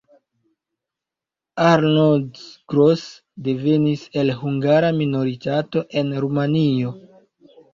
Arnold Gross devenis el hungara minoritato en Rumanio.